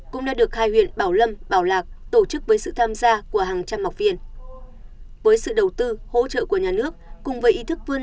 cũng đã được hai huyện bảo lâm bảo lạc tổ chức với sự tham gia của hàng trăm mọc viên